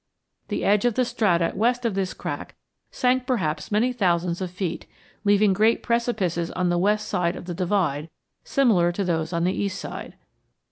The edge of the strata west of this crack sank perhaps many thousands of feet, leaving great precipices on the west side of the divide similar to those on the east side.